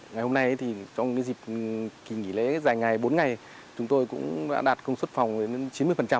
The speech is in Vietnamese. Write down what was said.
ngày hôm nay thì trong dịp kỳ nghỉ lễ dài ngày bốn ngày chúng tôi cũng đã đạt công suất phòng đến chín mươi